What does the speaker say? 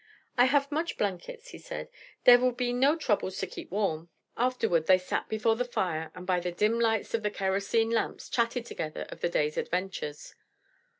"I haf much blankets," he said; "dere vill be no troubles to keep varm." Afterward they sat before the fire and by the dim lights of the kerosene lamps chatted together of the day's adventures.